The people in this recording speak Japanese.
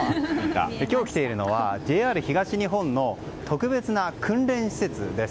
今日来ているのはＪＲ東日本の特別な訓練施設です。